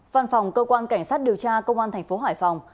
phan phòng cơ quan cảnh sát điều tra công an tp hải phòng